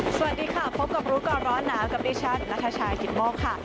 สวัสดีค่ะพบกับรู้ก่อนร้อนหนาวกับดิฉันนัทชายกิตโมกค่ะ